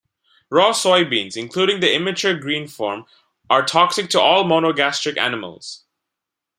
Raw soybeans, including the immature green form, are toxic to all monogastric animals.